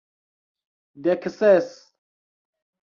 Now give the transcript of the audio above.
Dek ses!